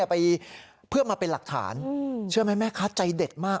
ไปเพื่อมาเป็นหลักฐานเชื่อไหมแม่ค้าใจเด็ดมาก